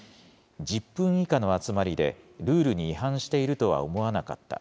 １０分以下の集まりで、ルールに違反しているとは思わなかった。